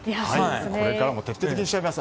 これからも徹底的に調べます。